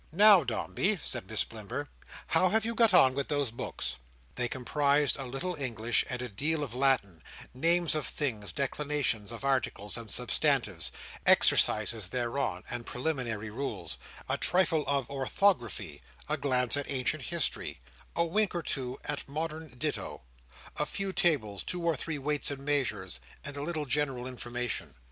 "Now, Dombey," said Miss Blimber. "How have you got on with those books?" They comprised a little English, and a deal of Latin—names of things, declensions of articles and substantives, exercises thereon, and preliminary rules—a trifle of orthography, a glance at ancient history, a wink or two at modern ditto, a few tables, two or three weights and measures, and a little general information.